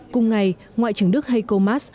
cùng ngày ngoại trưởng đức heiko maas